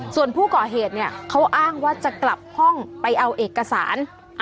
ส่วนผู้ก่อเหตุเขาอ้างว่าจะกลับห้องไปเอาเอกสาร